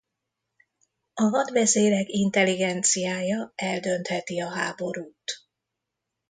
A hadvezérek intelligenciája eldöntheti a háborút.